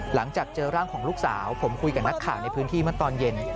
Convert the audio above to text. หลังจากเจอร่างของลูกสาวผมคุยกับนักข่าวในพื้นที่เมื่อตอนเย็น